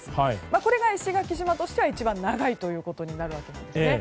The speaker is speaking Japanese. これが石垣島としては一番長いことになるんです。